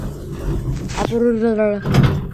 Я не буду заниматься сексом без презерватива.